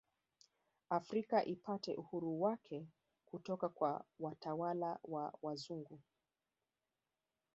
Afrika ipate uhuru wake kutoka kwa watwala wa wazungu